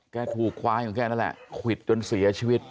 ถูกควายของแกนั่นแหละควิดจนเสียชีวิต